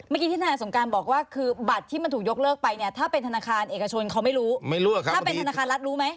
ที่ทนายสงการบอกว่าคือบัตรที่มันถูกยกเลิกไปเนี่ยถ้าเป็นธนาคารเอกชนเขาไม่รู้ไม่รู้ถ้าเป็นธนาคารรัฐรู้ไหม